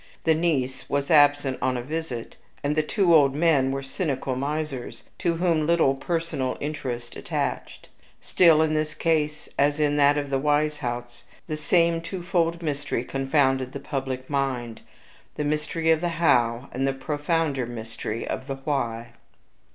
The niece was absent on a visit, and the two old men were cynical misers, to whom little personal interest attached. Still, in this case as in that of the Weishaupts, the same twofold mystery confounded the public mind the mystery of the HOW, and the profounder mystery of the WHY.